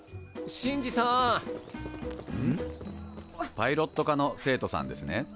パイロット科の生徒さんですね。